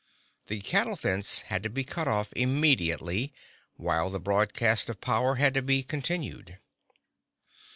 The cattle fence had to be cut off immediately—while the broadcast of power had to be continued.